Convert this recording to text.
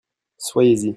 Soyez-y.